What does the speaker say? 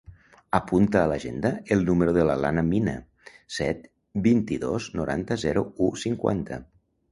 Apunta a l'agenda el número de l'Alana Mina: set, vint-i-dos, noranta, zero, u, cinquanta.